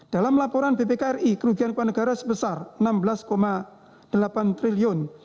dalam laporan bpkri kerugian kepala negara sebesar rp enam belas delapan triliun